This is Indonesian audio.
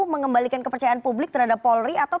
mengembalikan kepercayaan publik terhadap polri atau